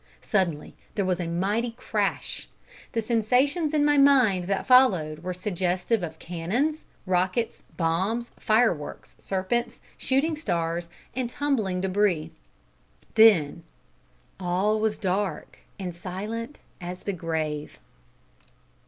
Suddenly there was a mighty crash. The sensations in my mind that followed were suggestive of cannons, rockets, bombs, fireworks, serpents, shooting stars, and tumbling debris. Then all was dark and silent as the grave!